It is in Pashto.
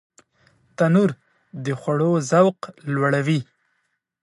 تنور د خوړو ذوق لوړوي